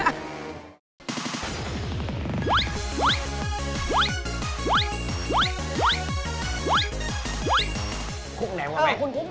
คลุกแหนมกว่าไหม